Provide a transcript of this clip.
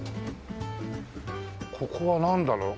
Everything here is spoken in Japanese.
ここはなんだろう？